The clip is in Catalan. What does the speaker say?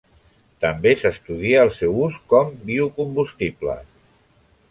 També s'estudia el seu ús com biocombustible.